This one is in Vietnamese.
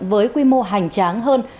với quy mô hành tráng hơn